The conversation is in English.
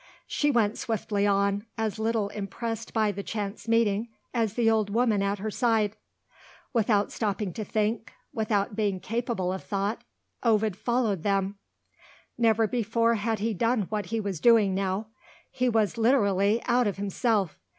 She went swiftly on, as little impressed by the chance meeting as the old woman at her side. Without stopping to think without being capable of thought Ovid followed them. Never before had he done what he was doing now; he was, literally, out of himself.